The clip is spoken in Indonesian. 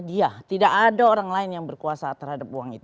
dia tidak ada orang lain yang berkuasa terhadap uang itu